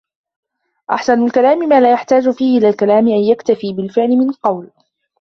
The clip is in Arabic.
أَحْسَنُ الْكَلَامِ مَا لَا يُحْتَاجُ فِيهِ إلَى الْكَلَامِ أَيْ يَكْتَفِي بِالْفِعْلِ مِنْ الْقَوْلِ